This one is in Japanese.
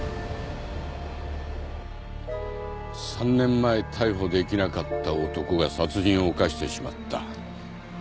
３年前逮捕できなかった男が殺人を犯してしまった。